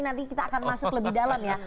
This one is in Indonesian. nanti kita akan masuk lebih dalam ya